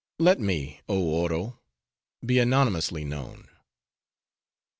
Let me, oh Oro! be anonymously known!"